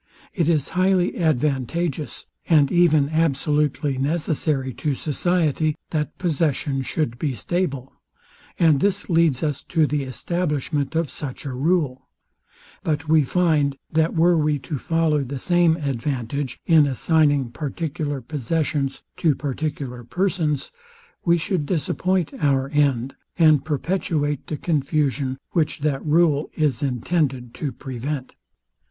It is highly advantageous, and even absolutely necessary to society, that possession should be stable; and this leads us to the establishment of such a rule: But we find, that were we to follow the same advantage, in assigning particular possessions to particular persons, we should disappoint our end, and perpetuate the confusion, which that rule is intended to prevent.